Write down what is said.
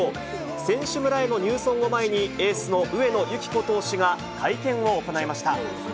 選手村への入村を前に、エースの上野由岐子投手が会見を行いました。